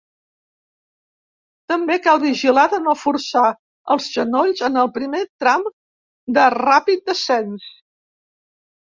També cal vigilar de no forçar els genolls en el primer tram de ràpid descens.